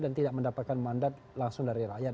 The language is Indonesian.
dan tidak mendapatkan mandat langsung dari rakyat